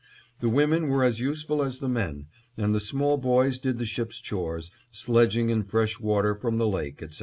The women were as useful as the men, and the small boys did the ship's chores, sledging in fresh water from the lake, etc.